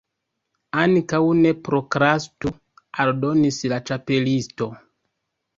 "Ankaŭ ne prokrastu," aldonis la Ĉapelisto